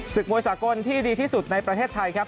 มวยสากลที่ดีที่สุดในประเทศไทยครับ